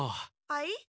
はい？